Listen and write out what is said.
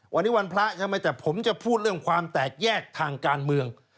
วันนี้วันพระใช่ไหมแต่ผมจะพูดเรื่องความแตกแยกทางการเมือง